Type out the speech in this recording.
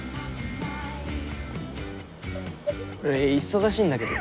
俺忙しいんだけど。